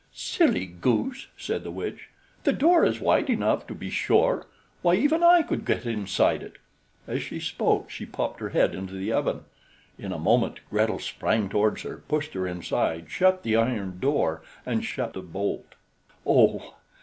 "Silly goose," said the witch. "The door is wide enough, to be sure. Why, even I could get inside it." As she spoke, she popped her head into the oven. In a moment Gretel sprang towards her, pushed her inside, shut the iron door, and shot the bolt. Oh!